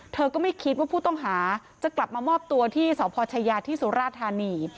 ก็ไม่คิดว่าผู้ต้องหาจะกลับมามอบตัวที่สพชายาที่สุราธานี